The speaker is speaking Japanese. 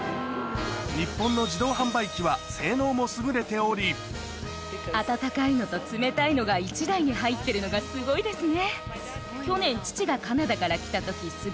日本の自動販売機は性能も優れており温かいのと冷たいのが１台に入ってるのがすごいですね。